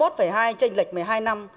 tranh lệch một mươi hai năm